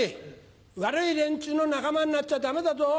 悪い連中の仲間になっちゃダメだぞ！